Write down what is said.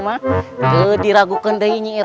tidak diragukan ini